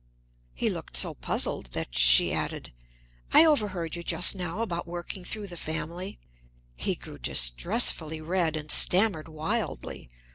He looked so puzzled that she added: "I overheard you just now, about 'working through the family.'" He grew distressfully red and stammered wildly.